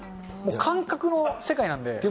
もう感覚の世界なんで。